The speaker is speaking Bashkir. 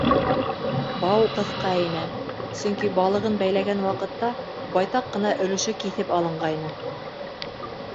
Бау ҡыҫҡа ине, сөнки балығын бәйләгән ваҡытта байтаҡ ҡына өлөшө киҫеп алынғайны.